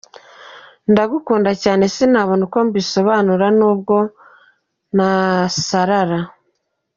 Ndagukunda cyane, sinabona uko mbisobanura n’ubwo nasarara.